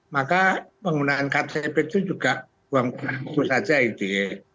maka penggunaan ktp itu juga buang kartu saja gitu ya